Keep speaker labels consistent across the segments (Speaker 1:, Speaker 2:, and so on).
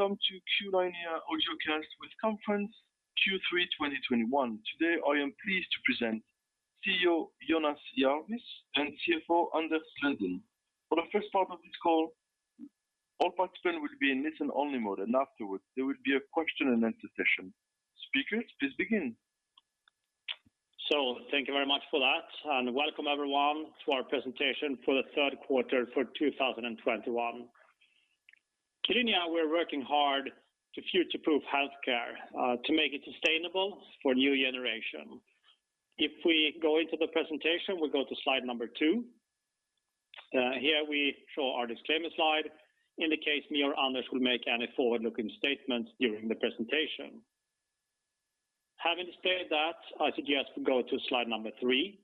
Speaker 1: Welcome to Q-linea audiocast with conference Q3 2021. Today, I am pleased to present CEO Jonas Jarvius and CFO Anders Lundin. For the first part of this call, all participants will be in listen-only mode, and afterwards, there will be a question and answer session. Speakers, please begin.
Speaker 2: Thank you very much for that, and welcome everyone to our presentation for the third quarter of 2021. Q-linea, we're working hard to future-proof healthcare, to make it sustainable for new generation. If we go into the presentation, we go to slide 2. Here, we show our disclaimer slide in case I or Anders will make any forward-looking statements during the presentation. Having said that, I suggest we go to slide 3,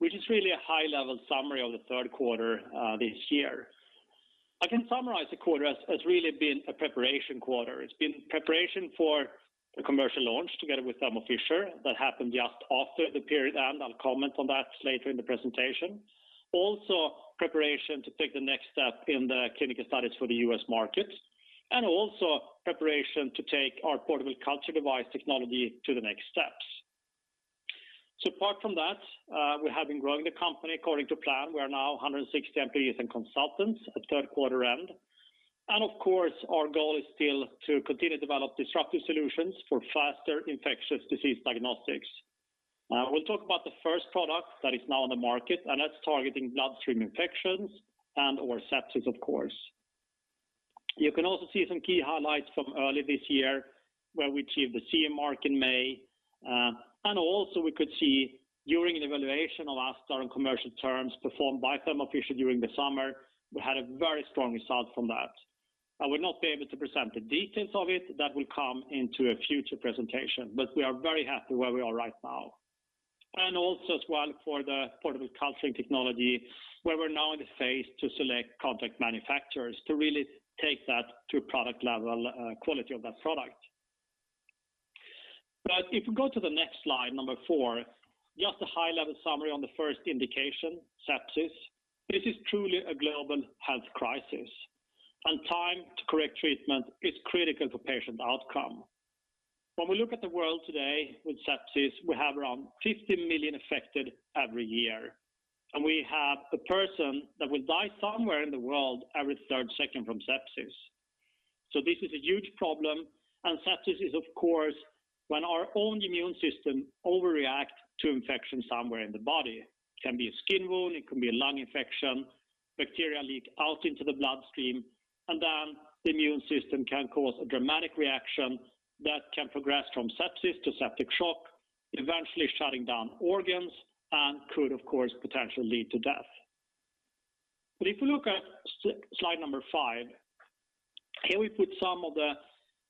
Speaker 2: which is really a high-level summary of the third quarter this year. I can summarize the 1/4 as really been a preparation 1/4. It's been preparation for the commercial launch together with Thermo Fisher that happened just after the period, and I'll comment on that later in the presentation. Also preparation to take the next step in the clinical studies for the U.S. market, and also preparation to take our portable culture device technology to the next steps. Apart from that, we have been growing the company according to plan. We're now 160 employees and consultants at third quarter end. Of course, our goal is still to continue to develop disruptive solutions for faster infectious disease diagnostics. We'll talk about the first product that is now on the market, and that's targeting bloodstream infections and/or sepsis, of course. You can also see some key highlights from early this year where we achieved the CE mark in May. We could see during an evaluation of ASTAR on commercial terms performed by Thermo Fisher during the summer, we had a very strong result from that. I will not be able to present the details of it. That will come into a future presentation. We are very happy where we are right now. Also as well for the portable blood culture technology, where we're now in the phase to select contract manufacturers to really take that to product level, quality of that product. If you go to the next slide, number four, just a high-level summary on the first indication, sepsis. This is truly a global health crisis, and time to correct treatment is critical to patient outcome. When we look at the world today with sepsis, we have around 50 million affected every year, and we have a person that will die somewhere in the world every 1/3 second from sepsis. This is a huge problem, and sepsis is of course, when our own immune system overreact to infection somewhere in the body. It can be a skin wound, it can be a lung infection. Bacteria leak out into the bloodstream, and then the immune system can cause a dramatic reaction that can progress from sepsis to septic shock, eventually shutting down organs and could, of course, potentially lead to death. If you look at slide number 5, here we put some of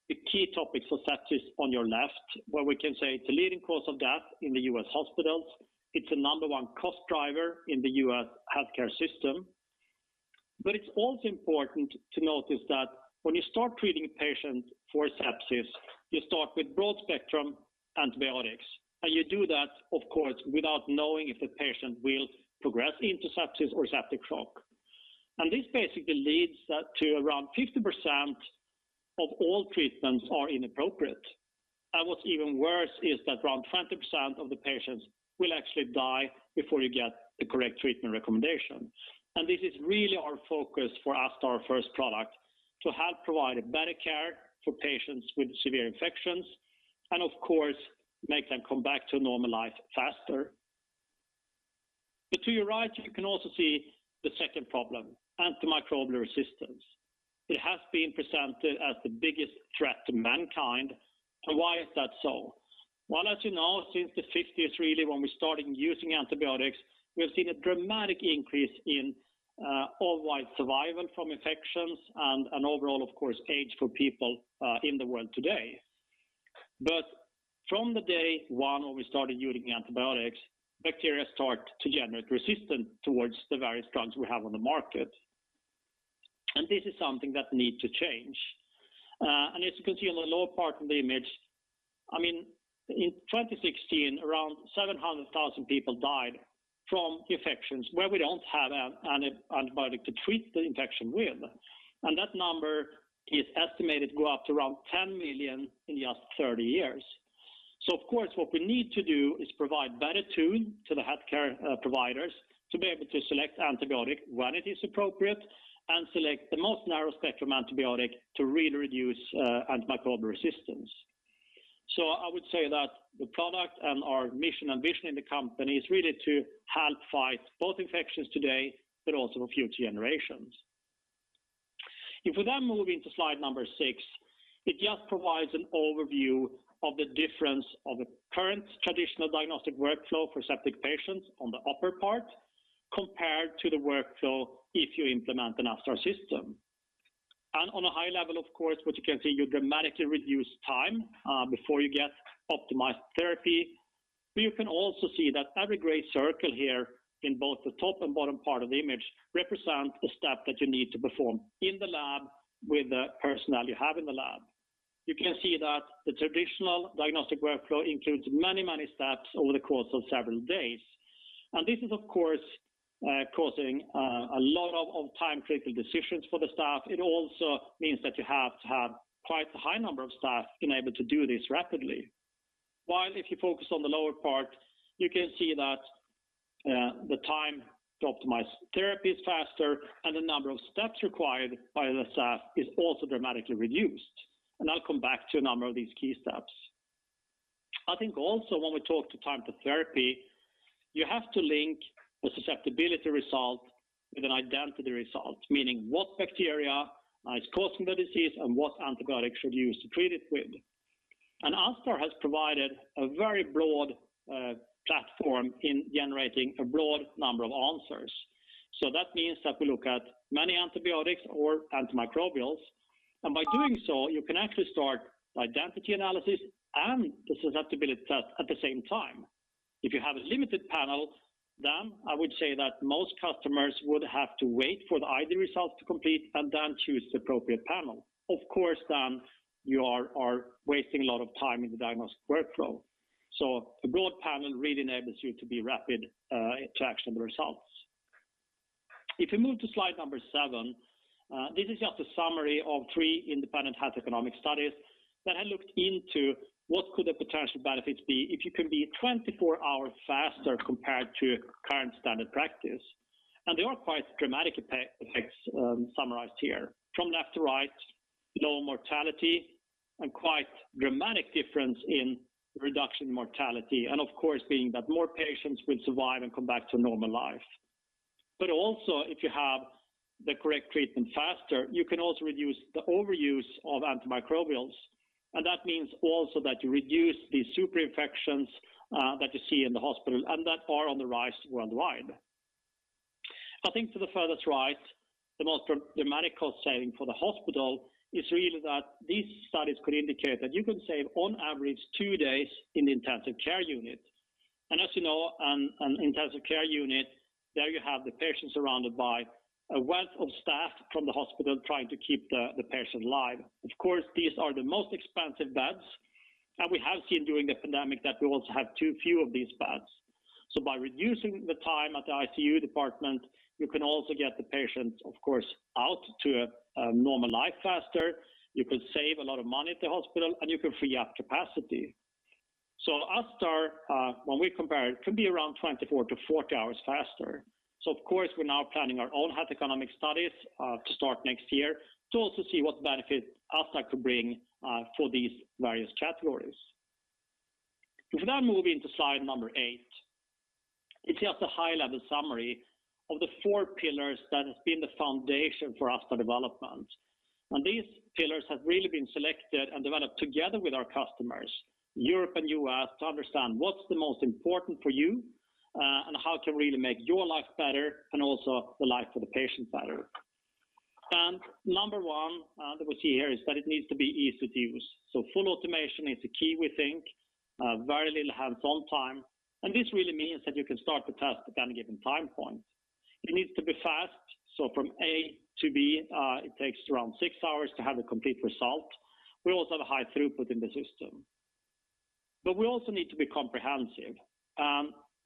Speaker 2: the key topics of sepsis on your left, where we can say the leading cause of death in the U.S. hospitals. It's the number one cost driver in the U.S. healthcare system. It's also important to notice that when you start treating patients for sepsis, you start with broad-spectrum antibiotics, and you do that, of course, without knowing if the patient will progress into sepsis or septic shock. This basically leads that to around 50% of all treatments are inappropriate. What's even worse is that around 20% of the patients will actually die before you get the correct treatment recommendation. This is really our focus for ASTAR first product, to help provide better care for patients with severe infections and of course, make them come back to normal life faster. To your right, you can also see the second problem, antimicrobial resistance. It has been presented as the biggest threat to mankind. Why is that so? Well, as you know, since the 1950s really when we started using antibiotics, we have seen a dramatic increase in overall survival from infections and an overall, of course, age for people in the world today. From the day one when we started using antibiotics, bacteria start to generate resistance towards the various drugs we have on the market. This is something that need to change. As you can see on the lower part of the image, I mean, in 2016, around 700,000 people died from infections where we don't have an antibiotic to treat the infection with. That number is estimated to go up to around 10 million in just 30 years. Of course, what we need to do is provide better tools to the healthcare providers to be able to select antibiotic when it is appropriate and select the most narrow-spectrum antibiotic to really reduce antimicrobial resistance. I would say that the product and our mission and vision in the company is really to help fight both infections today but also for future generations. If we then move into slide number 6, it just provides an overview of the difference of a current traditional diagnostic workflow for septic patients on the upper part compared to the workflow if you implement an ASTAR system. On a high level, of course, what you can see, you dramatically reduce time before you get optimized therapy. You can also see that every gray circle here in both the top and bottom part of the image represent the step that you need to perform in the lab with the personnel you have in the lab. You can see that the traditional diagnostic workflow includes many steps over the course of several days. This is, of course, causing a lot of time-critical decisions for the staff. It also means that you have to have quite a high number of staff enabled to do this rapidly. While if you focus on the lower part, you can see that, the time to optimize therapy is faster and the number of steps required by the staff is also dramatically reduced. I'll come back to a number of these key steps. I think also when we talk to time to therapy, you have to link the susceptibility result with an identity result, meaning what bacteria is causing the disease and what antibiotic should you use to treat it with. ASTAR has provided a very broad, platform in generating a broad number of answers. That means that we look at many antibiotics or antimicrobials, and by doing so, you can actually start identity analysis and the susceptibility test at the same time. If you have a limited panel, then I would say that most customers would have to wait for the ID results to complete and then choose the appropriate panel. Of course, then you are wasting a lot of time in the diagnostic workflow. A broad panel really enables you to be rapid to action the results. If we move to slide number 7, This is just a summary of 3 independent health economic studies that had looked into what could the potential benefits be if you can be 24 hours faster compared to current standard practice. There are quite dramatic effects, summarized here. From left to right, low mortality and quite dramatic difference in reduction in mortality, and of course, being that more patients will survive and come back to normal life. Also, if you have the correct treatment faster, you can also reduce the overuse of antimicrobials, and that means also that you reduce the super infections that you see in the hospital and that are on the rise worldwide. I think to the furthest right, the most dramatic cost saving for the hospital is really that these studies could indicate that you can save on average 2 days in the intensive care unit. As you know, an intensive care unit, there you have the patient surrounded by a wealth of staff from the hospital trying to keep the patient alive. Of course, these are the most expensive beds, and we have seen during the pandemic that we also have too few of these beds. By reducing the time at the ICU department, you can also get the patient, of course, out to a normal life faster, you could save a lot of money at the hospital, and you can free up capacity. ASTAR, when we compare it, could be around 24-40 hours faster. Of course, we're now planning our own health economic studies to start next year to also see what benefit ASTAR could bring for these various categories. If we now move into slide number 8, it's just a high-level summary of the 4 pillars that has been the foundation for ASTAR development. These pillars have really been selected and developed together with our customers, Europe and U.S., to understand what's the most important for you and how to really make your life better and also the life of the patient better. Number one, that we see here is that it needs to be easy to use. Full automation is the key, we think. Very little hands-on time. This really means that you can start the test at any given time point. It needs to be fast. From A to B, it takes around 6 hours to have the complete result. We also have a high throughput in the system. We also need to be comprehensive.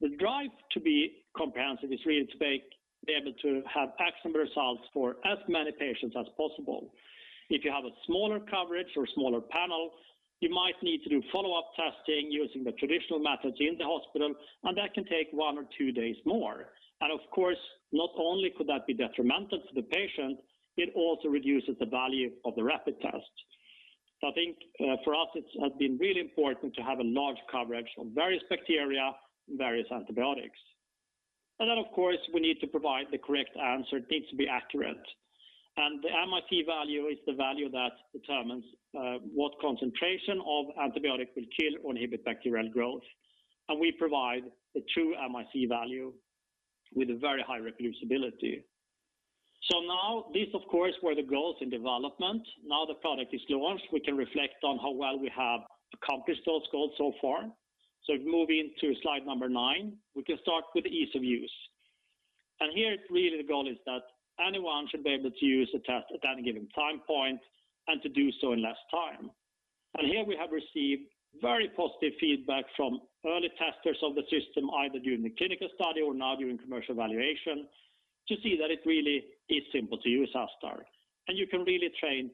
Speaker 2: The drive to be comprehensive is really to be able to have actionable results for as many patients as possible. If you have a smaller coverage or smaller panel, you might need to do follow-up testing using the traditional methods in the hospital, and that can take 1 or 2 days more. Of course, not only could that be detrimental to the patient, it also reduces the value of the rapid test. I think, for us, it's, has been really important to have a large coverage on various bacteria and various antibiotics. Then, of course, we need to provide the correct answer. It needs to be accurate. The MIC value is the value that determines what concentration of antibiotic will kill or inhibit bacterial growth. We provide the true MIC value with a very high reproducibility. Now, these of course, were the goals in development. Now the product is launched, we can reflect on how well we have accomplished those goals so far. If we move into slide number 9, we can start with ease of use. Here, really the goal is that anyone should be able to use the test at any given time point and to do so in less time. Here we have received very positive feedback from early testers of the system, either during the clinical study or now during commercial evaluation, to see that it really is simple to use ASTAR. You can really train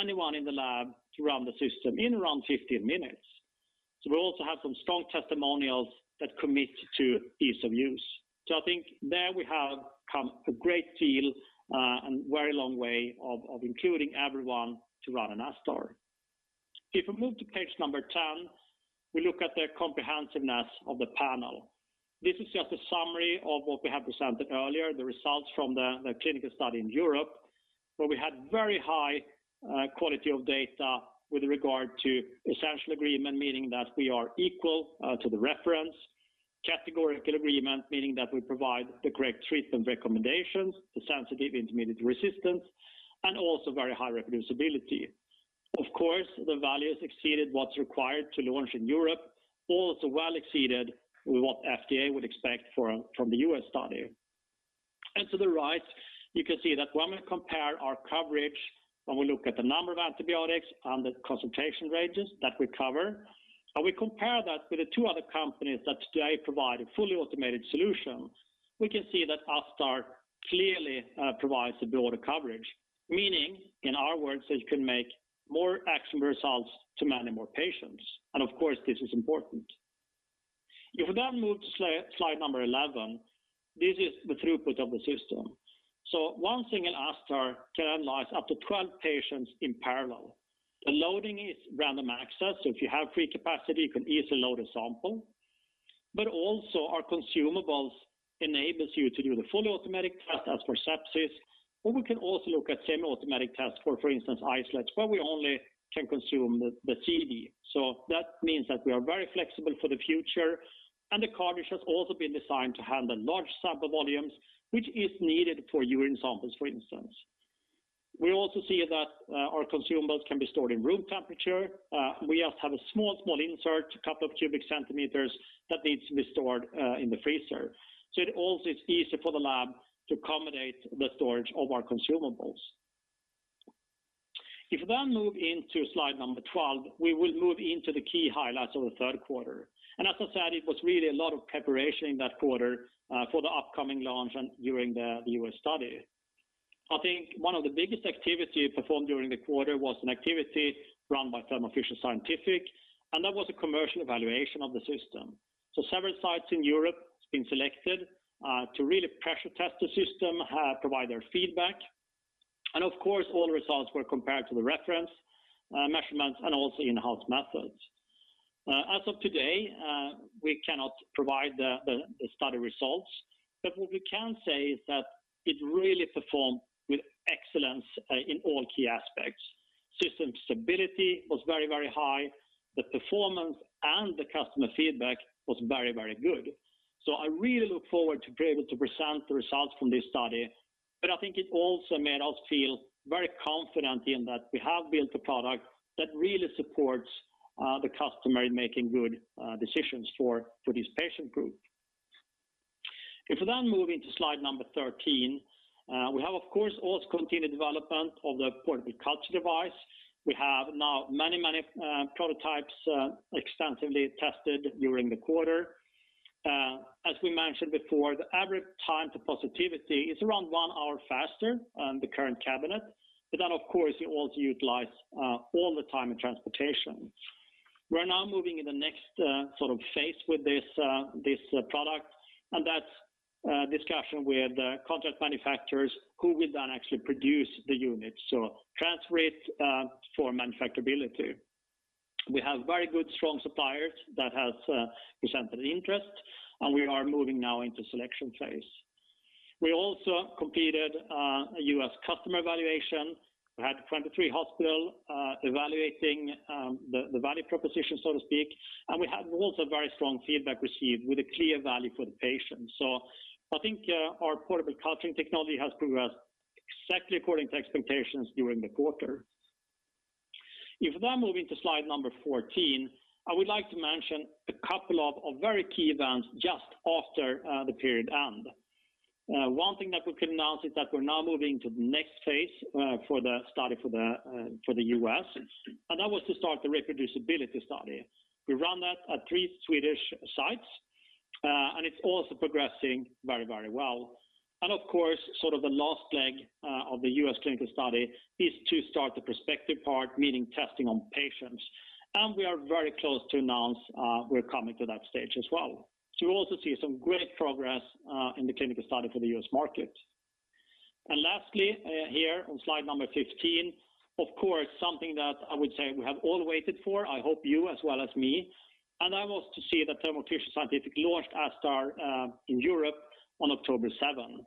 Speaker 2: anyone in the lab to run the system in around 15 minutes. We also have some strong testimonials that commit to ease of use. I think there we have come a great deal, and very long way of including everyone to run an ASTAR. If we move to page 10, we look at the comprehensiveness of the panel. This is just a summary of what we have presented earlier, the results from the clinical study in Europe, where we had very high quality of data with regard to essential agreement, meaning that we are equal to the reference. Categorical agreement, meaning that we provide the correct treatment recommendations, the sensitive, intermediate resistance, and also very high reproducibility. Of course, the values exceeded what's required to launch in Europe, also well exceeded what FDA would expect from the US study. To the right, you can see that when we compare our coverage, when we look at the number of antibiotics and the concentration ranges that we cover, and we compare that with the 2 other companies that today provide a fully automated solution, we can see that ASTAR clearly provides the broader coverage. Meaning, in our words, that you can make more accurate results to many more patients. Of course, this is important. If we then move to slide number 11, this is the throughput of the system. One thing in ASTAR can analyze up to 12 patients in parallel. The loading is random access, so if you have free capacity, you can easily load a sample. Our consumables enables you to do the fully automatic test, as for sepsis. We can also look at semi-automatic test for instance, isolates, where we only can consume the CD. That means that we are very flexible for the future, and the cartridge has also been designed to handle large sample volumes, which is needed for urine samples, for instance. We also see that our consumables can be stored at room temperature. We just have a small insert, a couple of cubic centimeters that needs to be stored in the freezer. It also is easy for the lab to accommodate the storage of our consumables. If we then move into slide number 12, we will move into the key highlights of the third quarter. As I said, it was really a lot of preparation in that 1/4 for the upcoming launch and during the U.S. study. I think one of the biggest activity performed during the 1/4 was an activity run by Thermo Fisher Scientific, and that was a commercial evaluation of the system. Several sites in Europe has been selected to really pressure test the system, provide their feedback. Of course, all the results were compared to the reference measurements and also in-house methods. As of today, we cannot provide the study results. What we can say is that it really performed with excellence in all key aspects. System stability was very, very high. The performance and the customer feedback was very, very good. I really look forward to be able to present the results from this study. I think it also made us feel very confident in that we have built a product that really supports the customer in making good decisions for this patient group. If we move into slide number 13, we have, of course, also continued development of the portable culture device. We have now many, many prototypes extensively tested during the 1/4. As we mentioned before, the average time to positivity is around 1 hour faster than the current cabinet. Of course, you also utilize all the time in transportation. We're now moving in the next sort of phase with this product, and that's discussion with the contract manufacturers who will then actually produce the unit. Transfer it for manufacturability. We have very good, strong suppliers that has presented interest, and we are moving now into selection phase. We also completed a U.S. customer evaluation. We had 23 hospitals evaluating the value proposition, so to speak. We had also very strong feedback received with a clear value for the patient. I think our portable culture technology has progressed exactly according to expectations during the 1/4. If we then move into slide number 14, I would like to mention a couple of very key events just after the period end. One thing that we can announce is that we're now moving to the next phase for the study for the U.S., and that was to start the reproducibility study. We run that at 3 Swedish sites, and it's also progressing very, very well. Of course, sort of the last leg of the U.S. clinical study is to start the prospective part, meaning testing on patients. We are very close to announce we're coming to that stage as well. You also see some great progress in the clinical study for the U.S. market. Lastly, here on slide number 15, of course, something that I would say we have all waited for, I hope you as well as me. That was to see that Thermo Fisher Scientific launched ASTAR in Europe on October 7.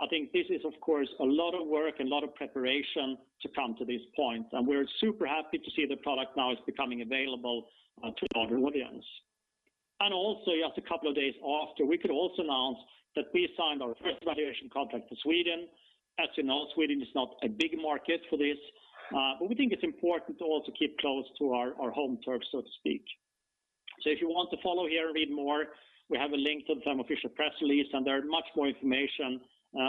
Speaker 2: I think this is, of course, a lot of work and a lot of preparation to come to this point. We're super happy to see the product now is becoming available to a broader audience. Also, just a couple of days after, we could also announce that we signed our first evaluation contract for Sweden. As you know, Sweden is not a big market for this, but we think it's important to also keep close to our home turf, so to speak. If you want to follow here, read more, we have a link to the Thermo Fisher press release, and there are much more information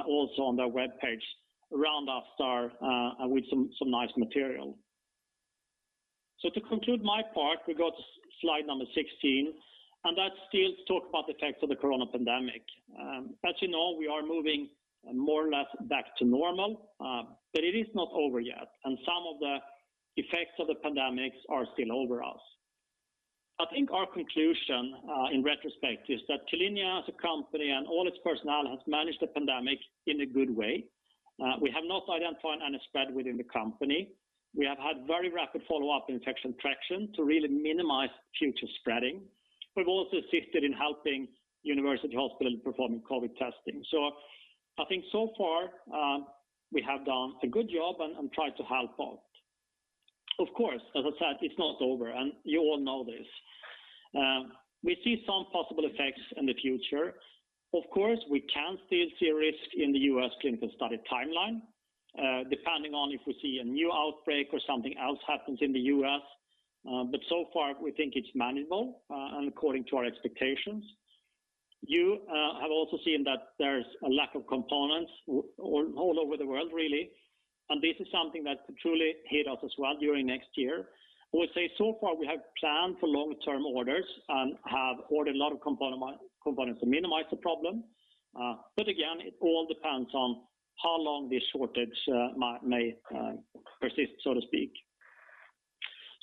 Speaker 2: also on their webpage around ASTAR with some nice material. To conclude my part, we go to slide number 16, and that still talk about the effects of the coronavirus pandemic. As you know, we are moving more or less back to normal, but it is not over yet. Some of the effects of the pandemic are still over us. I think our conclusion, in retrospect is that Q-linea as a company and all its personnel has managed the pandemic in a good way. We have not identified any spread within the company. We have had very rapid follow-up infection tracking to really minimize future spreading. We've also assisted in helping university hospital in performing COVID testing. I think so far, we have done a good job and tried to help out. Of course, as I said, it's not over, and you all know this. We see some possible effects in the future. Of course, we can still see risk in the U.S. clinical study timeline, depending on if we see a new outbreak or something else happens in the U.S. So far we think it's manageable, and according to our expectations. You have also seen that there's a lack of components all over the world really, and this is something that could truly hit us as well during next year. I would say so far we have planned for long-term orders and have ordered a lot of components to minimize the problem. Again, it all depends on how long this shortage may persist, so to speak.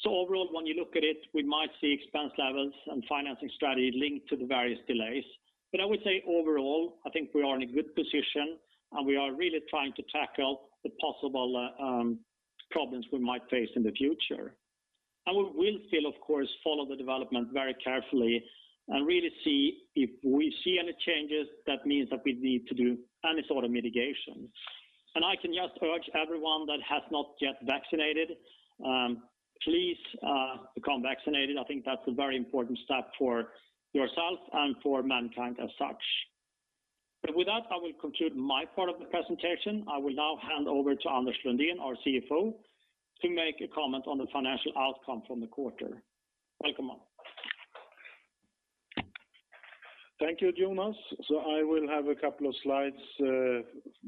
Speaker 2: Overall, when you look at it, we might see expense levels and financing strategy linked to the various delays. I would say overall, I think we are in a good position, and we are really trying to tackle the possible problems we might face in the future. We will still of course follow the development very carefully and really see if we see any changes that means that we need to do any sort of mitigation. I can just urge everyone that has not yet vaccinated, please, become vaccinated. I think that's a very important step for yourself and for mankind as such. With that, I will conclude my part of the presentation. I will now hand over to Anders Lundin, our CFO, to make a comment on the financial outcome from the 1/4. Welcome, Anders.
Speaker 3: Thank you, Jonas. I will have a couple of slides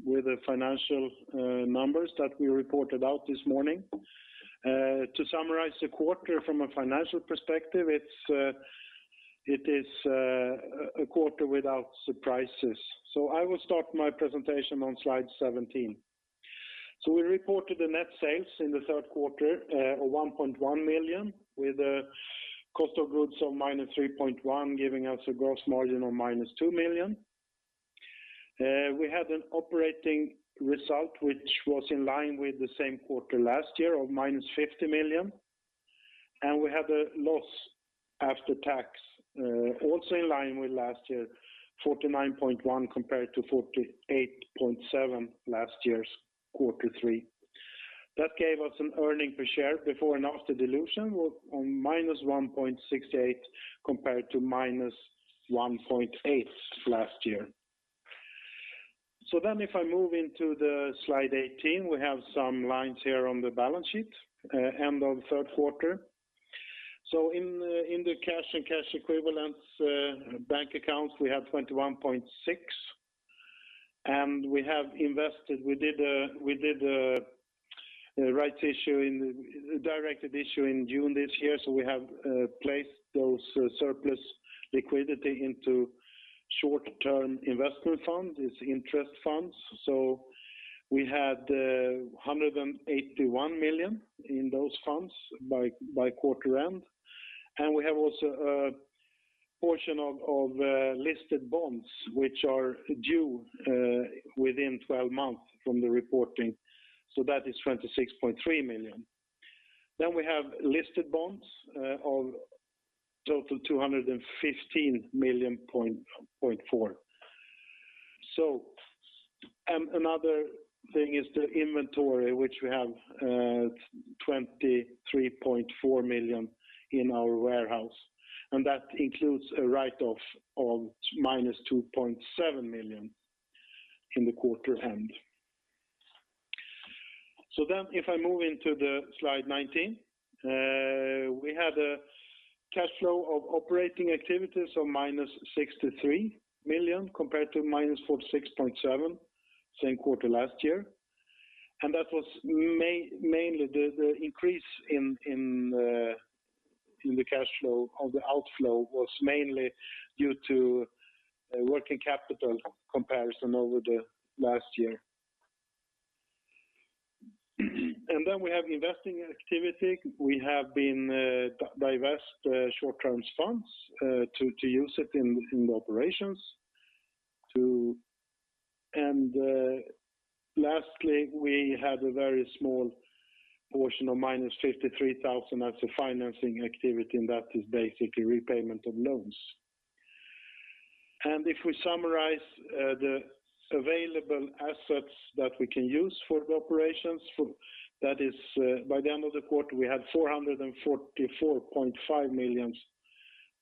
Speaker 3: with the financial numbers that we reported out this morning. To summarize the 1/4 from a financial perspective, it is a 1/4 without surprises. I will start my presentation on slide 17. We reported the net sales in the third quarter of 1.1 million, with a cost of goods of -3.1 million, giving us a gross margin of -2 million. We had an operating result which was in line with the same 1/4 last year of -50 million. We had a loss after tax, also in line with last year, -49.1 million compared to -48.7 million last year's 1/4 3. That gave us an earnings per share before and after dilution on -1.68 compared to -1.8 last year. If I move into the Slide 18, we have some lines here on the balance sheet end of third quarter. In the cash and cash equivalents bank accounts, we have 21.6. We have invested. We did a directed issue in June this year, so we have placed those surplus liquidity into short-term investment funds, it's interest funds. We had 181 million in those funds by 1/4 end. We have also a portion of listed bonds which are due within 12 months from the reporting. That is 26.3 million. We have listed bonds of total 215.4 million. Another thing is the inventory, which we have 23.4 million in our warehouse, and that includes a write-off of -2.7 million in the 1/4 end. If I move into the slide 19, we had a cash flow of operating activities of -63 million compared to -46.7 million same 1/4 last year. That was mainly the increase in the cash flow or the outflow was mainly due to a working capital comparison over the last year. We have investing activity. We have been divest short-term funds to use it in the operations to. Lastly, we had a very small portion of -53,000 as a financing activity, and that is basically repayment of loans. If we summarize, the available assets that we can use for the operations, that is, by the end of the 1/4, we had 444.5 million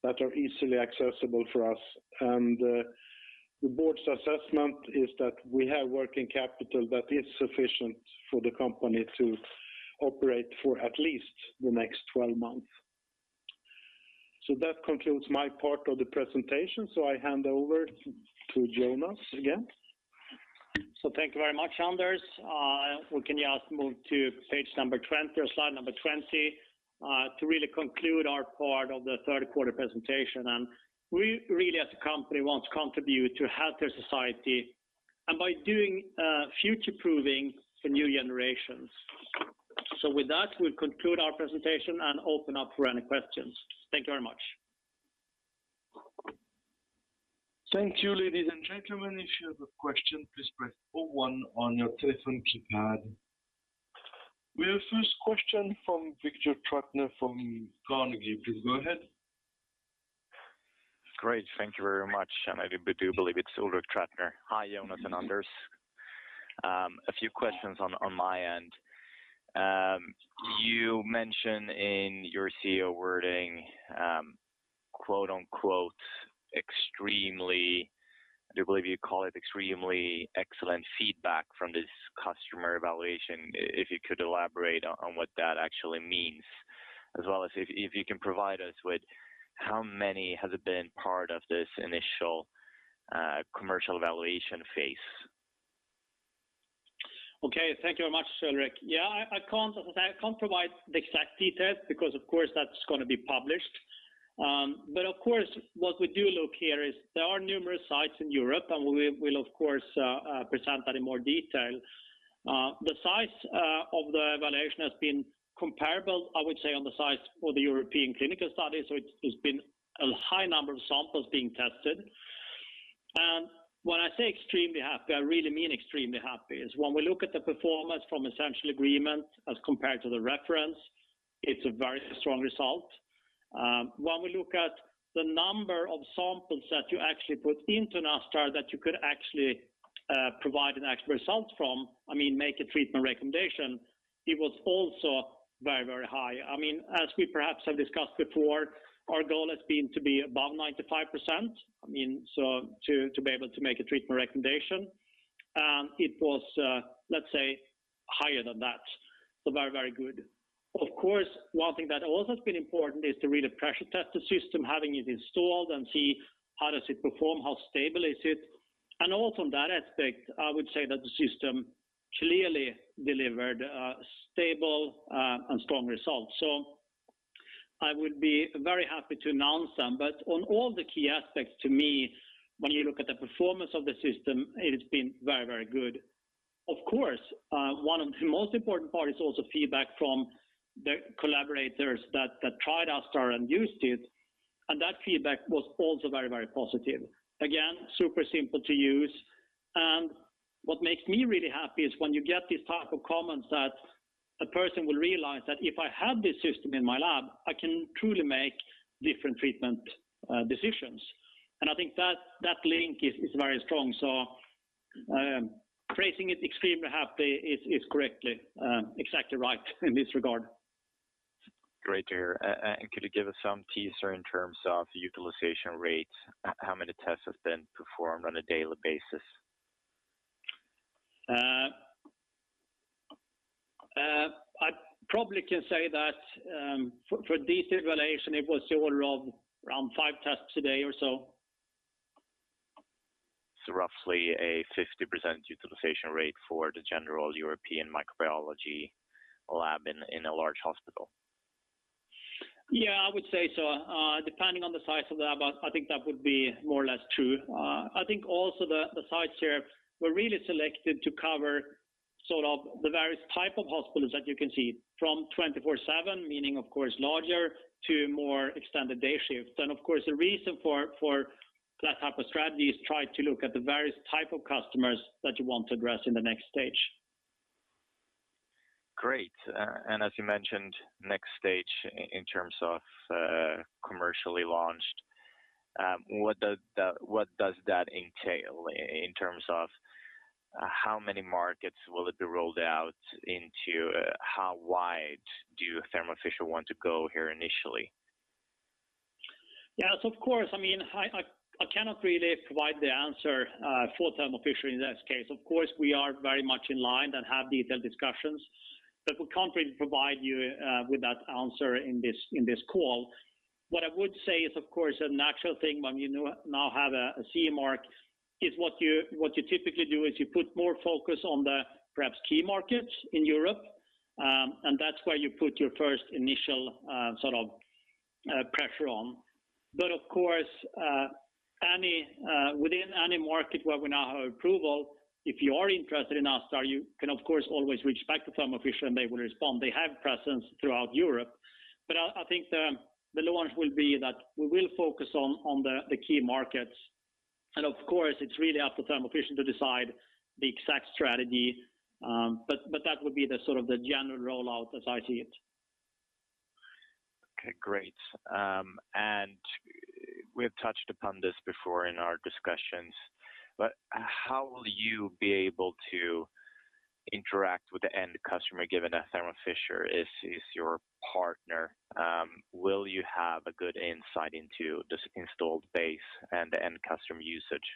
Speaker 3: that are easily accessible for us. The board's assessment is that we have working capital that is sufficient for the company to operate for at least the next 12 months. That concludes my part of the presentation. I hand over to Jonas again.
Speaker 2: Thank you very much, Anders. We can just move to page number 20 or slide number 20 to really conclude our part of the third quarter presentation. We really as a company want to contribute to healthcare society and by doing future-proofing for new generations. With that, we'll conclude our presentation and open up for any questions. Thank you very much.
Speaker 1: Thank you, ladies and gentlemen. If you have a question, please press 41 on your telephone keypad. We have first question from Ulrik Trattner from Carnegie. Please go ahead.
Speaker 4: Great. Thank you very much. I do believe it's Ulrik Trattner. Hi, Jonas and Anders. A few questions on my end. You mentioned in your CEO wording, quote, unquote, extremely. I do believe you call it extremely excellent feedback from this customer evaluation. If you could elaborate on what that actually means, as well as if you can provide us with how many has it been part of this initial commercial evaluation phase.
Speaker 2: Okay. Thank you very much, Ulrik. Yeah, I can't provide the exact details because of course, that's gonna be published. But of course, what we do look here is there are numerous sites in Europe, and we'll of course present that in more detail. The size of the evaluation has been comparable, I would say, on the size for the European clinical study. So it's been a high number of samples being tested. When I say extremely happy, I really mean extremely happy. It's when we look at the performance from essential agreement as compared to the reference, it's a very strong result. When we look at the number of samples that you actually put into ASTAR that you could actually provide an actual result from, I mean, make a treatment recommendation, it was also very, very high. I mean, as we perhaps have discussed before, our goal has been to be above 95%. I mean, to be able to make a treatment recommendation. It was, let's say, higher than that. Very, very good. Of course, one thing that also has been important is to really pressure test the system, having it installed and see how does it perform, how stable is it. Also from that aspect, I would say that the system clearly delivered a stable, and strong results. I would be very happy to announce them. On all the key aspects, to me, when you look at the performance of the system, it has been very, very good. Of course, one of the most important part is also feedback from the collaborators that tried ASTAR and used it, and that feedback was also very, very positive. Again, super simple to use. What makes me really happy is when you get these type of comments that a person will realize that if I have this system in my lab, I can truly make different treatment decisions. I think that link is very strong. Phrasing it extremely happy is correctly exactly right in this regard.
Speaker 4: Great to hear. Could you give us some teaser in terms of utilization rates, how many tests have been performed on a daily basis?
Speaker 2: I probably can say that, for this evaluation, it was the order of around 5 tests a day or so.
Speaker 4: Roughly a 50% utilization rate for the general European microbiology lab in a large hospital.
Speaker 2: Yeah, I would say so. Depending on the size of the lab, but I think that would be more or less true. I think also the sites here were really selected to cover sort of the various type of hospitals that you can see from 24/7, meaning, of course, larger to more extended day shifts. Of course, the reason for that type of strategy is try to look at the various type of customers that you want to address in the next stage.
Speaker 4: Great. As you mentioned, next stage in terms of commercially launched, what does that entail in terms of how many markets will it be rolled out into, how wide do Thermo Fisher want to go here initially?
Speaker 2: Yes, of course. I mean, I cannot really provide the answer for Thermo Fisher in that case. Of course, we are very much in line and have detailed discussions, but we can't really provide you with that answer in this call. What I would say is, of course, a natural thing when you now have a CE mark is what you typically do is you put more focus on the perhaps key markets in Europe, and that's where you put your first initial sort of pressure on. But of course, within any market where we now have approval, if you are interested in ASTAR, you can of course always reach back to Thermo Fisher and they will respond. They have presence throughout Europe. I think the launch will be that we will focus on the key markets. Of course, it's really up to Thermo Fisher to decide the exact strategy. That would be the sort of general rollout as I see it.
Speaker 4: Okay, great. We've touched upon this before in our discussions, but how will you be able to interact with the end customer given that Thermo Fisher is your partner? Will you have a good insight into this installed base and the end customer usage?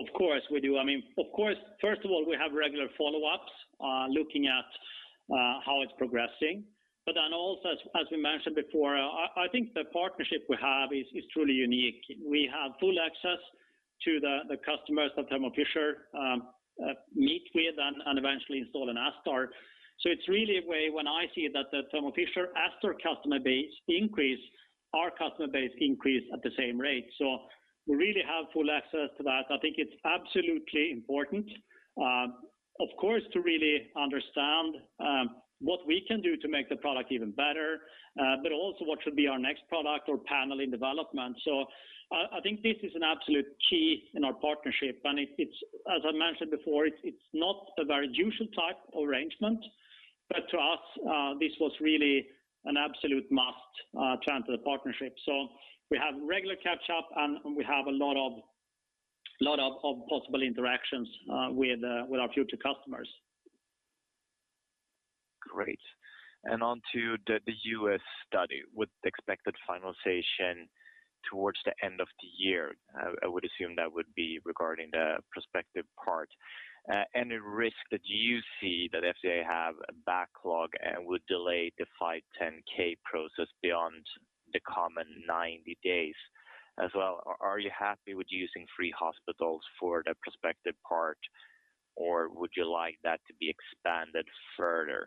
Speaker 2: Of course, we do. I mean, of course, first of all, we have regular follow-ups, looking at how it's progressing. Also as we mentioned before, I think the partnership we have is truly unique. We have full access to the customers that Thermo Fisher meet with and eventually install ASTAR. It's really a way when I see that the Thermo Fisher ASTAR customer base increase, our customer base increase at the same rate. We really have full access to that. I think it's absolutely important, of course, to really understand what we can do to make the product even better, but also what should be our next product or panel in development. I think this is an absolute key in our partnership, and it's as I mentioned before, it's not a very usual type arrangement, but to us, this was really an absolute must term to the partnership. We have regular catch up, and we have a lot of possible interactions with our future customers.
Speaker 4: Great. On to the U.S. study with expected finalization towards the end of the year. I would assume that would be regarding the prospective part. Any risk that you see that FDA have a backlog and would delay the 510(k) process beyond the common 90 days? As well, are you happy with using 3 hospitals for the prospective part, or would you like that to be expanded further?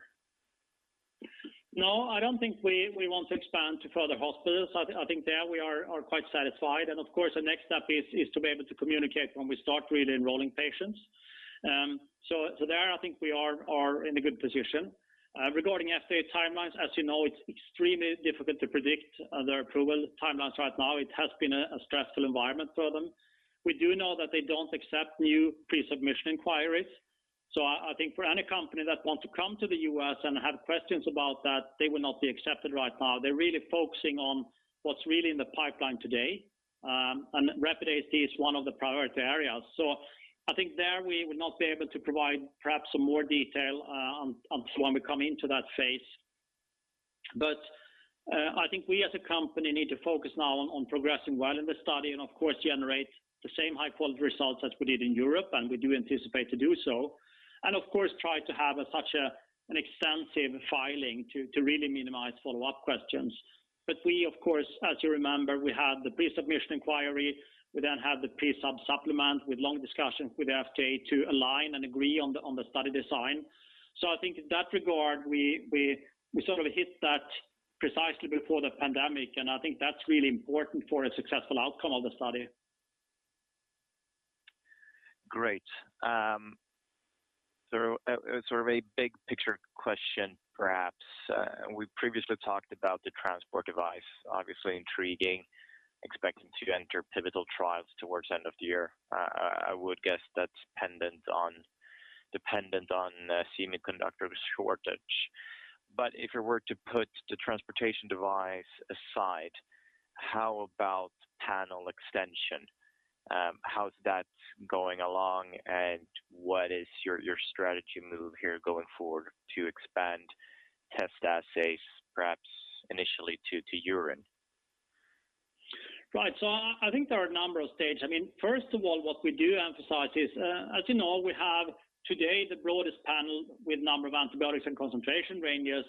Speaker 2: No, I don't think we want to expand to further hospitals. I think there we are quite satisfied. Of course, the next step is to be able to communicate when we start really enrolling patients. There, I think we are in a good position. Regarding FDA timelines, as you know, it's extremely difficult to predict their approval timelines right now. It has been a stressful environment for them. We do know that they don't accept new pre-submission inquiries. I think for any company that want to come to the U.S. and have questions about that, they will not be accepted right now. They're really focusing on what's really in the pipeline today, and rapid AST is one of the priority areas. I think there we will not be able to provide perhaps some more detail on when we come into that phase. I think we as a company need to focus now on progressing well in the study and of course generate the same high-quality results as we did in Europe, and we do anticipate to do so. Of course, try to have such an extensive filing to really minimize follow-up questions. We of course, as you remember, we had the pre-submission inquiry, we then had the pre-sub supplement with long discussions with the FDA to align and agree on the study design. I think in that regard, we sort of hit that precisely before the pandemic, and I think that's really important for a successful outcome of the study.
Speaker 4: Great. Sort of a big picture question perhaps. We previously talked about the transport device, obviously intriguing, expecting to enter pivotal trials towards end of the year. I would guess that's dependent on the semiconductor shortage. If you were to put the transportation device aside, how about panel extension? How's that going along, and what is your strategy move here going forward to expand test assays perhaps initially to urine?
Speaker 2: Right. I think there are a number of stage. I mean, first of all, what we do emphasize is, as you know, we have today the broadest panel with number of antibiotics and concentration ranges,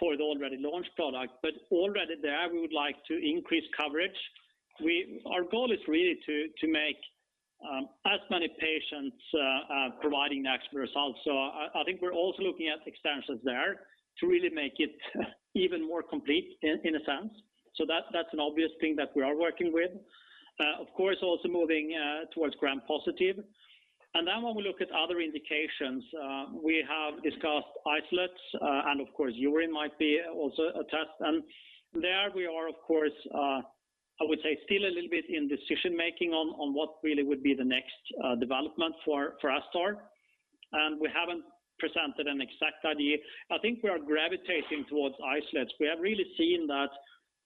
Speaker 2: for the already launched product. Already there, we would like to increase coverage. Our goal is really to make as many patients providing expert results. I think we're also looking at extensions there to really make it even more complete in a sense. That, that's an obvious thing that we are working with. Of course, also moving towards gram-positive. Then when we look at other indications, we have discussed isolates, and of course, urine might be also a test. There we are of course. I would say still a little bit in decision-making on what really would be the next development for ASTAR. We haven't presented an exact idea. I think we are gravitating towards isolates. We have really seen that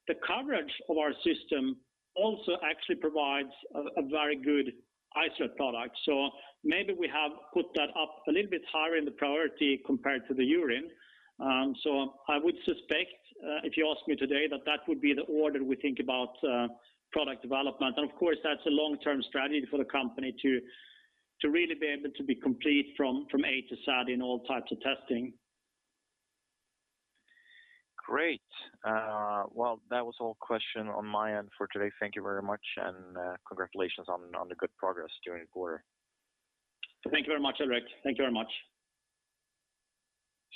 Speaker 2: the coverage of our system also actually provides a very good isolate product. Maybe we have put that up a little bit higher in the priority compared to the urine. I would suspect if you ask me today, that would be the order we think about product development. That's a long-term strategy for the company to really be able to be complete from A to Z in all types of testing.
Speaker 4: Great. Well, that was all questions on my end for today. Thank you very much, and congratulations on the good progress during the 1/4.
Speaker 2: Thank you very much, Ulrik. Thank you very much.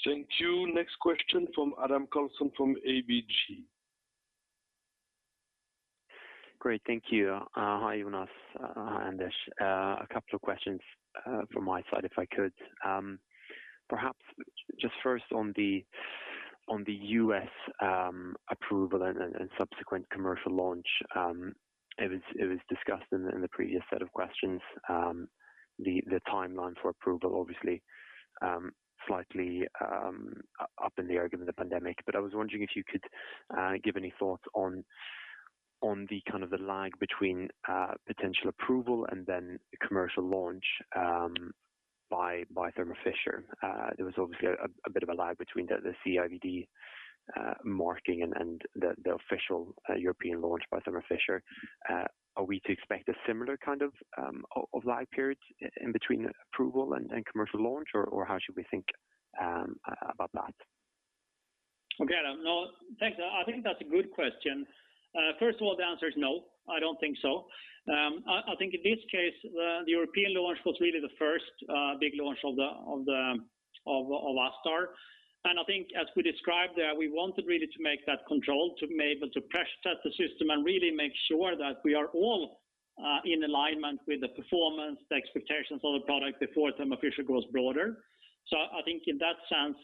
Speaker 1: Thank you. Next question from Adam Karlsson from ABG.
Speaker 5: Great. Thank you. Hi, Jonas and Ish. A couple of questions from my side, if I could. Perhaps just first on the U.S. approval and subsequent commercial launch. It was discussed in the previous set of questions. The timeline for approval obviously slightly up in the air given the pandemic. I was wondering if you could give any thoughts on the kind of lag between potential approval and then commercial launch by Thermo Fisher. There was obviously a bit of a lag between the CE marking and the official European launch by Thermo Fisher. Are we to expect a similar kind of lag period in between approval and commercial launch, or how should we think about that?
Speaker 2: Okay. No, thanks. I think that's a good question. First of all, the answer is no. I don't think so. I think in this case, the European launch was really the first big launch of the ASTAR. I think as we described there, we wanted really to make that controlled to be able to pressure test the system and really make sure that we are all in alignment with the performance, the expectations of the product before Thermo Fisher goes broader. I think in that sense,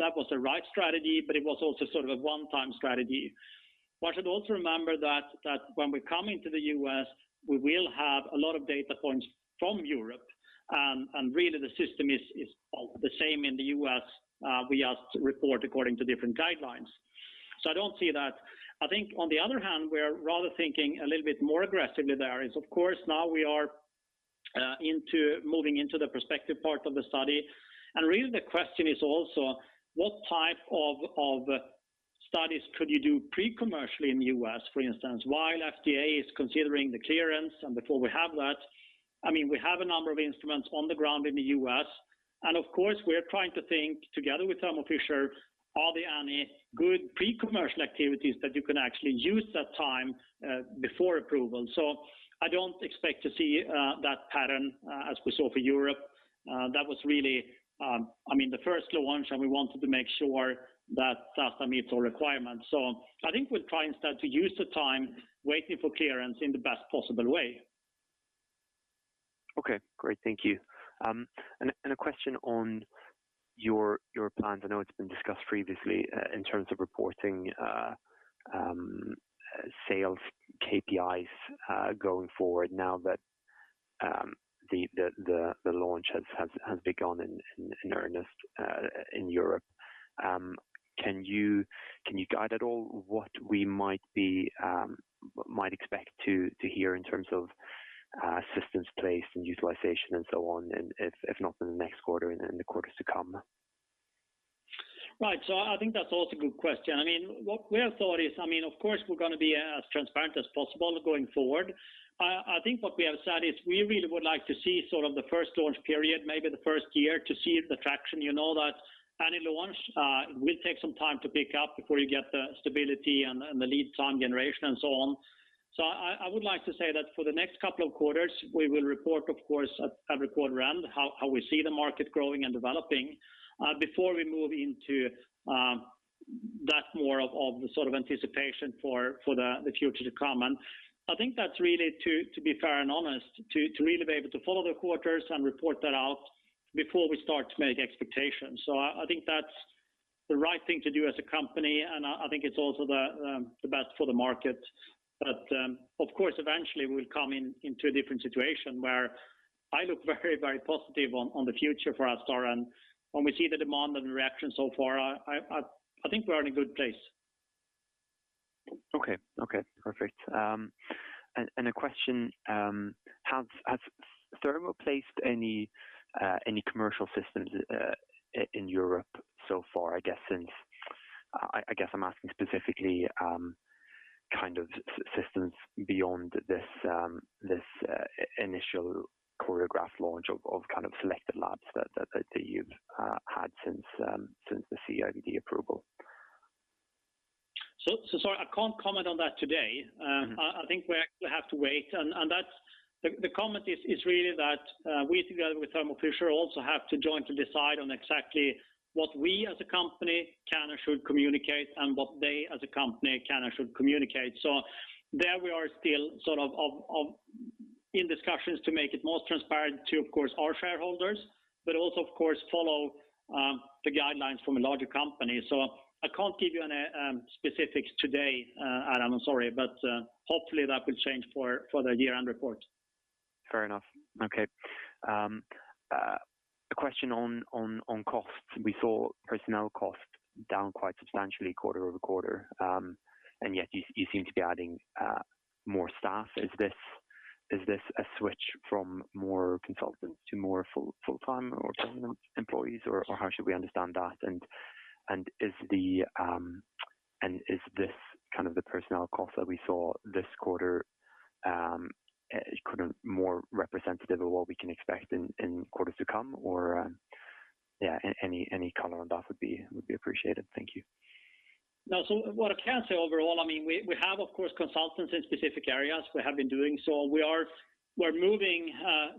Speaker 2: that was the right strategy, but it was also sort of a one-time strategy. One should also remember that when we come into the U.S., we will have a lot of data points from Europe, and really the system is all the same in the U.S. We just report according to different guidelines. I don't see that. I think on the other hand, we're rather thinking a little bit more aggressively. There is, of course, now we are moving into the prospective part of the study. Really the question is also what type of studies could you do pre-commercially in the U.S., for instance, while FDA is considering the clearance and before we have that. I mean, we have a number of instruments on the ground in the U.S., and of course, we're trying to think together with Thermo Fisher, are there any good pre-commercial activities that you can actually use that time before approval. I don't expect to see that pattern as we saw for Europe. That was really I mean, the first launch, and we wanted to make sure that that meets all requirements. I think we'll try instead to use the time waiting for clearance in the best possible way.
Speaker 5: Okay, great. Thank you. A question on your plans. I know it's been discussed previously in terms of reporting sales KPIs going forward now that the launch has begun in earnest in Europe. Can you guide at all what we might expect to hear in terms of systems placed and utilization and so on, and if not in the next 1/4 and then the quarters to come?
Speaker 2: Right. I think that's also a good question. I mean, what we have thought is, I mean, of course, we're gonna be as transparent as possible going forward. I think what we have said is we really would like to see sort of the first launch period, maybe the first year, to see the traction. You know that any launch will take some time to pick up before you get the stability and the lead time generation and so on. I would like to say that for the next couple of quarters, we will report, of course, at every 1/4 end how we see the market growing and developing before we move into that more of the sort of anticipation for the future to come. I think that's really to be fair and honest, to really be able to follow the quarters and report that out before we start to make expectations. I think that's the right thing to do as a company, and I think it's also the best for the market. Of course, eventually we'll come into a different situation where I look very positive on the future for ASTAR. When we see the demand and reaction so far, I think we're in a good place.
Speaker 5: Okay. Okay, perfect. A question, has Thermo placed any commercial systems in Europe so far, I guess, since I guess I'm asking specifically kind of systems beyond this initial choreographed launch of kind of selected labs that you've had since the CE approval.
Speaker 2: Sorry, I can't comment on that today. I think we actually have to wait. The comment is really that we together with Thermo Fisher also have to join to decide on exactly what we as a company can and should communicate and what they as a company can and should communicate. There we are still sort of in discussions to make it more transparent to, of course, our shareholders, but also of course follow the guidelines from a larger company. I can't give you any specifics today, Adam. I'm sorry, but hopefully that will change for the year-end report.
Speaker 5: Fair enough. Okay. A question on costs. We saw personnel costs down quite substantially 1/4 over 1/4, and yet you seem to be adding more staff. Is this a switch from more consultants to more full-time or permanent employees, or how should we understand that? Is this kind of the personnel cost that we saw this 1/4 kind of more representative of what we can expect in quarters to come or? Yeah, any comment on that would be appreciated. Thank you.
Speaker 2: What I can say overall, I mean, we have, of course, consultants in specific areas. We have been doing so. We're moving,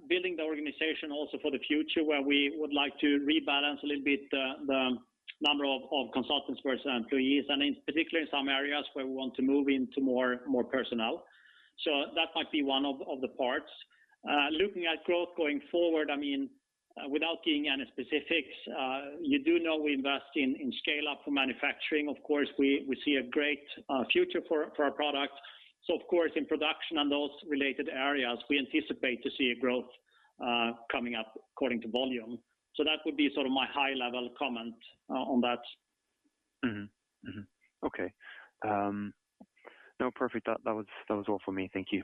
Speaker 2: building the organization also for the future, where we would like to rebalance a little bit the number of consultants versus employees, and in particular in some areas where we want to move into more personnel. That might be one of the parts. Looking at growth going forward, I mean, without giving any specifics, you do know we invest in scale up for manufacturing. Of course, we see a great future for our product. Of course, in production and those related areas, we anticipate to see a growth coming up according to volume. That would be sort of my high-level comment on that.
Speaker 5: Mm-hmm. Mm-hmm. Okay. No, perfect. That was all for me. Thank you.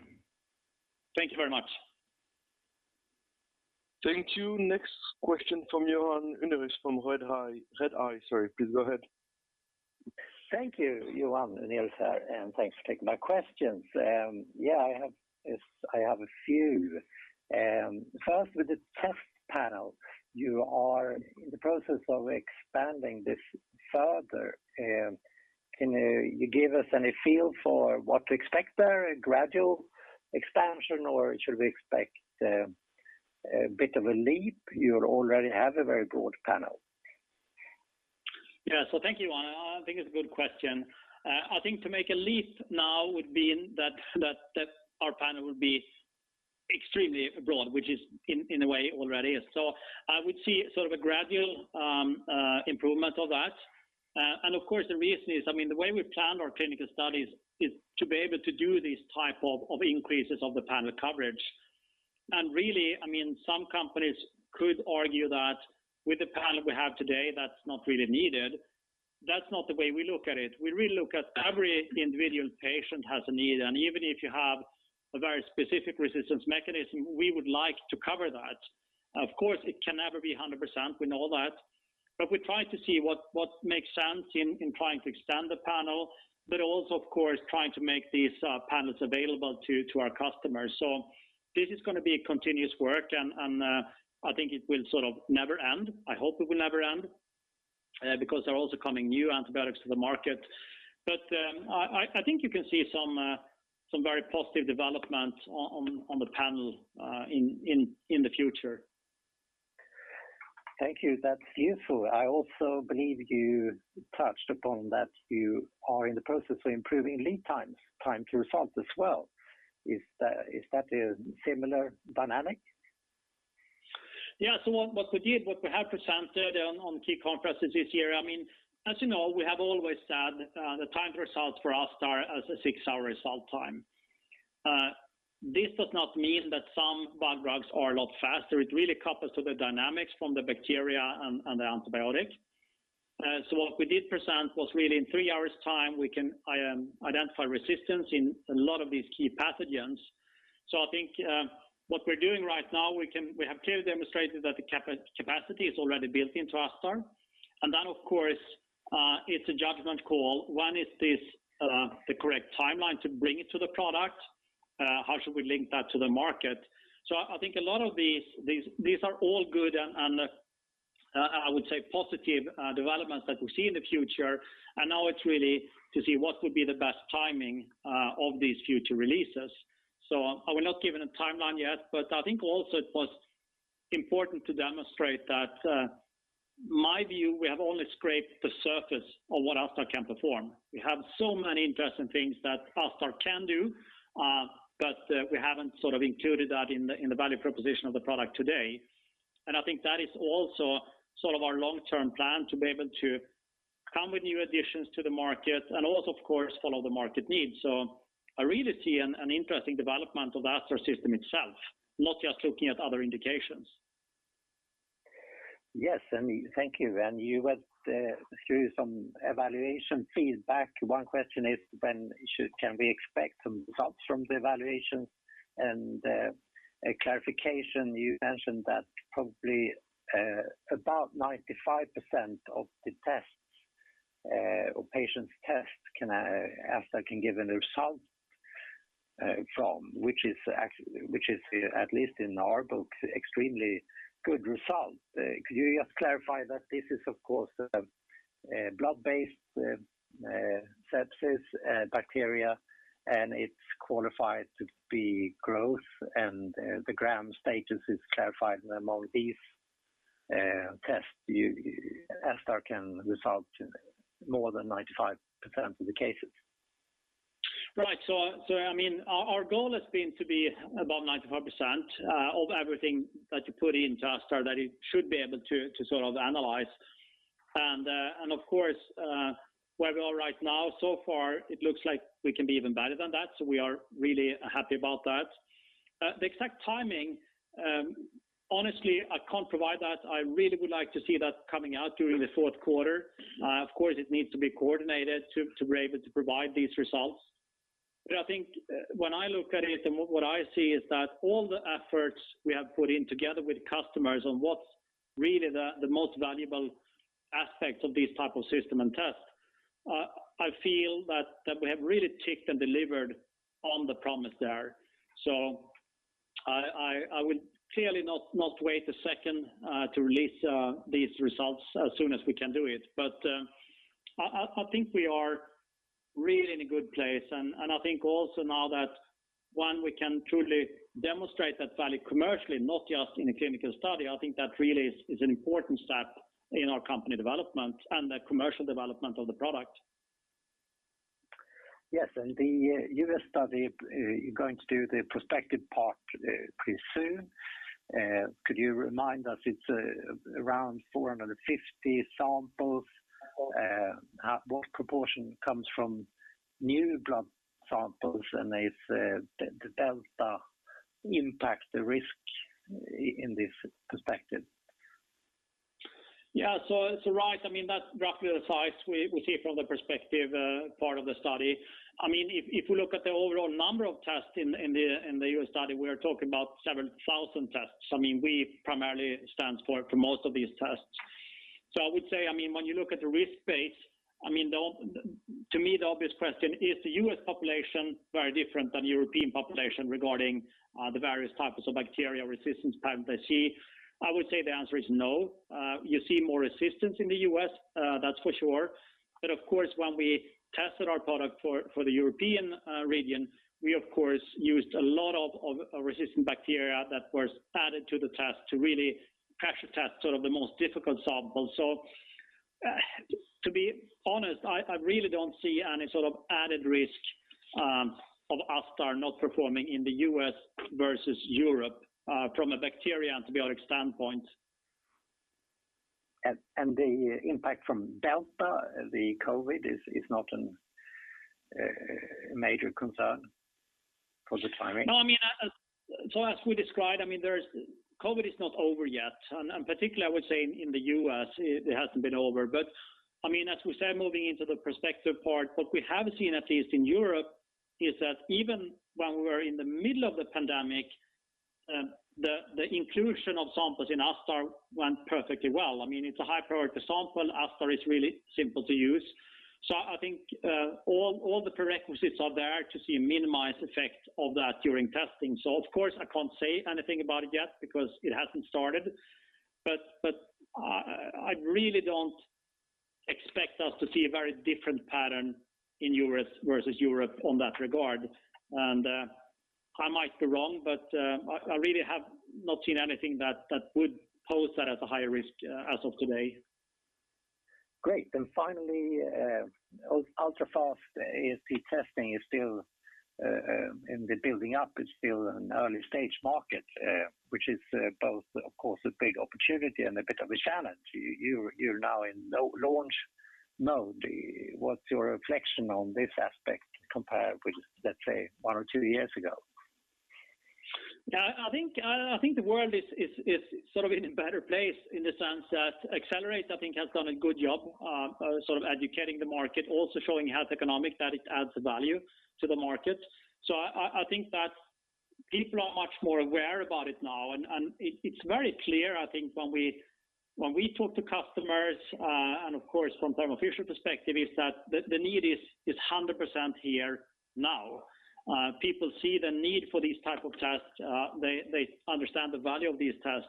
Speaker 2: Thank you very much.
Speaker 1: Thank you. Next question from Johan Unnérus from Redeye, sorry. Please go ahead.
Speaker 6: Thank you, Johan. Nils here, and thanks for taking my questions. Yeah, I have a few. First, with the test panel, you are in the process of expanding this further. Can you give us any feel for what to expect there? A gradual expansion or should we expect a bit of a leap? You already have a very broad panel.
Speaker 2: Yeah. Thank you, Johan. I think it's a good question. I think to make a leap now would mean that our panel would be extremely broad, which is in a way it already is. I would see sort of a gradual improvement of that. And of course, the reason is, I mean, the way we planned our clinical studies is to be able to do these type of increases of the panel coverage. Really, I mean, some companies could argue that with the panel we have today, that's not really needed. That's not the way we look at it. We really look at every individual patient has a need, and even if you have a very specific resistance mechanism, we would like to cover that. Of course, it can never be 100%, we know that. We try to see what makes sense in trying to extend the panel, but also of course, trying to make these panels available to our customers. This is gonna be a continuous work, and I think it will sort of never end. I hope it will never end, because they're also coming new antibiotics to the market. I think you can see some very positive developments on the panel in the future.
Speaker 6: Thank you. That's useful. I also believe you touched upon that you are in the process of improving lead times, time to result as well. Is that a similar dynamic?
Speaker 2: Yeah. What we did, what we have presented on key conferences this year, I mean, as you know, we have always said the time to results for ASTAR is a 6-hour result time. This does not mean that some bug-drug are a lot faster. It really couples to the dynamics from the bacteria and the antibiotic. What we did present was really in 3 hours time, we can identify resistance in a lot of these key pathogens. I think what we're doing right now, we have clearly demonstrated that the capacity is already built into ASTAR. Of course, it's a judgment call. One, is this the correct timeline to bring it to the product? How should we link that to the market? I think a lot of these are all good and I would say positive developments that we see in the future. Now it's really to see what would be the best timing of these future releases. I will not give it a timeline yet, but I think also it was important to demonstrate that, my view, we have only scraped the surface of what ASTAR can perform. We have so many interesting things that ASTAR can do, but we haven't sort of included that in the value proposition of the product today. I think that is also sort of our long-term plan to be able to come with new additions to the market and also, of course, follow the market needs. I really see an interesting development of ASTAR system itself, not just looking at other indications.
Speaker 6: Yes, thank you. You went through some evaluation feedback. One question is, can we expect some results from the evaluation? A clarification, you mentioned that probably about 95% of the tests or patient tests ASTAR can give a result, which is, at least in our book, extremely good result. Could you just clarify that this is of course blood-based sepsis bacteria, and it's qualified to be growth, and the Gram status is clarified among these tests ASTAR can result more than 95% of the cases.
Speaker 2: Right. I mean, our goal has been to be above 95% of everything that you put into ASTAR that it should be able to sort of analyze. Of course, where we are right now, so far, it looks like we can be even better than that. We are really happy about that. The exact timing, honestly, I can't provide that. I really would like to see that coming out during the fourth 1/4. Of course, it needs to be coordinated to be able to provide these results. I think when I look at it, and what I see is that all the efforts we have put in together with customers on what's really the most valuable aspects of this type of system and test, I feel that we have really ticked and delivered on the promise there. I will clearly not wait a second to release these results as soon as we can do it. I think we are really in a good place. I think also now that one we can truly demonstrate that value commercially, not just in a clinical study. I think that really is an important step in our company development and the commercial development of the product.
Speaker 6: Yes. The U.S. study, you're going to do the prospective part pretty soon. Could you remind us it's around 450 samples? What proportion comes from new blood samples, and does the Delta impact the risk in this perspective?
Speaker 2: Right. I mean, that's roughly the size we see from the perspective, part of the study. I mean, if you look at the overall number of tests in the U.S. study, we're talking about 7,000 tests. I mean, we primarily stands for most of these tests. I would say, I mean, when you look at the risk base, I mean, to me, the obvious question, is the U.S. population very different than European population regarding the various types of bacteria resistance patterns they see? I would say the answer is no. You see more resistance in the U.S., that's for sure. Of course, when we tested our product for the European region, we of course used a lot of resistant bacteria that was added to the test to really pressure test sort of the most difficult samples. To be honest, I really don't see any sort of added risk of ASTAR not performing in the U.S. versus Europe from a bacteria antibiotic standpoint.
Speaker 6: The impact from Delta, the COVID, is not a major concern?
Speaker 2: No, I mean, so as we described, I mean, COVID is not over yet, and particularly I would say in the U.S. it hasn't been over. But I mean, as we said, moving into the prospective part, what we have seen, at least in Europe, is that even when we were in the middle of the pandemic, the inclusion of samples in ASTAR went perfectly well. I mean, it's a high priority sample. ASTAR is really simple to use. So I think all the prerequisites are there to see a minimized effect of that during testing. So of course, I can't say anything about it yet because it hasn't started. But I really don't expect us to see a very different pattern in U.S. versus Europe on that regard. I might be wrong, but I really have not seen anything that would pose that as a higher risk, as of today.
Speaker 6: Great. Finally, ultra-fast AST testing is still in the buildup. It's still an early-stage market, which is, both of course, a big opportunity and a bit of a challenge. You're now in full launch mode. What's your reflection on this aspect compared with, let's say, one or 2 years ago?
Speaker 2: Yeah, I think the world is sort of in a better place in the sense that Accelerate, I think has done a good job, sort of educating the market, also showing how it's economic, that it adds value to the market. I think that people are much more aware about it now, and it's very clear, I think when we talk to customers, and of course from Thermo Fisher perspective, is that the need is 100% here now. People see the need for these type of tests. They understand the value of these tests.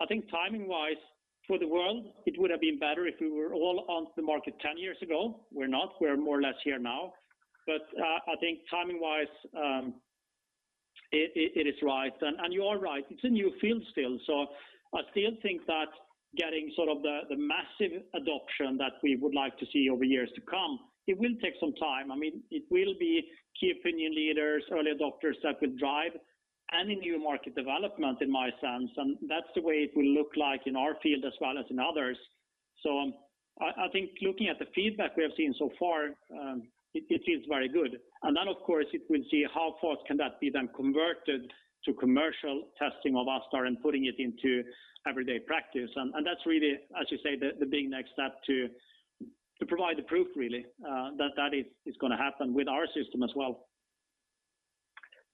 Speaker 2: I think timing-wise for the world, it would've been better if we were all on the market 10 years ago. We're not, we're more or less here now. I think timing-wise, it is right. You are right, it's a new field still. I still think that getting sort of the massive adoption that we would like to see over years to come, it will take some time. I mean, it will be key opinion leaders, early adopters that could drive any new market development in my sense. That's the way it will look like in our field as well as in others. I think looking at the feedback we have seen so far, it feels very good. Then of course it will see how fast can that be then converted to commercial testing of ASTAR and putting it into everyday practice. That's really, as you say, the big next step to provide the proof really that is gonna happen with our system as well.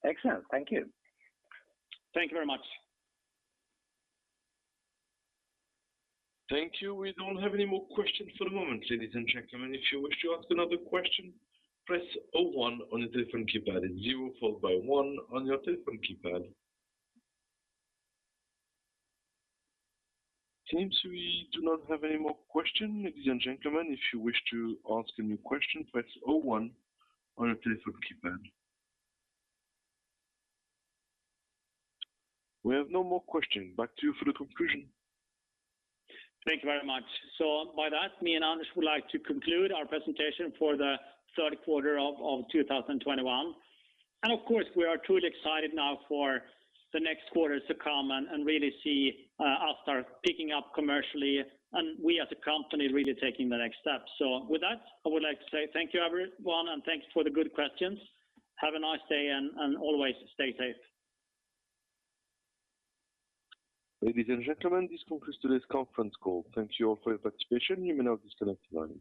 Speaker 6: Excellent. Thank you.
Speaker 2: Thank you very much.
Speaker 1: Thank you. We don't have any more questions for the moment, ladies and gentlemen. If you wish to ask another question, press oh one on your telephone keypad and zero followed by one on your telephone keypad. It seems we do not have any more questions. Ladies and gentlemen, if you wish to ask a new question, press oh one on your telephone keypad. We have no more questions. Back to you for the conclusion.
Speaker 2: Thank you very much. By that, me and Anders would like to conclude our presentation for the third quarter of 2021. Of course, we are truly excited now for the next quarters to come and really see ASTAR picking up commercially and we as a company really taking the next step. With that, I would like to say thank you, everyone, and thanks for the good questions. Have a nice day and always stay safe.
Speaker 1: Ladies and gentlemen, this concludes today's conference call. Thank you all for your participation. You may now disconnect the line.